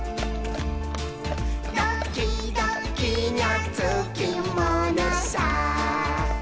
「ドキドキにゃつきものさ」